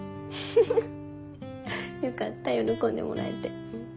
フフっよかった喜んでもらえて。